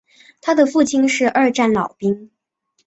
他的父亲是二战老兵。